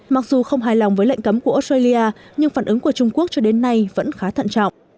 mặc dù không hài lòng với lệnh cấm của australia nhưng phản ứng của trung quốc cho đến nay vẫn khá thận trọng